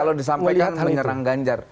kalau disampaikan menyerang ganjar